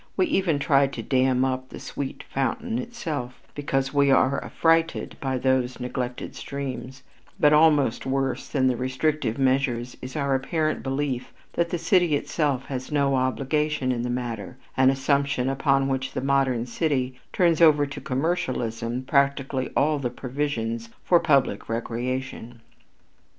We even try to dam up the sweet fountain itself because we are affrighted by these neglected streams; but almost worse than the restrictive measures is our apparent belief that the city itself has no obligation in the matter, an assumption upon which the modern city turns over to commercialism practically all the provisions for public recreation.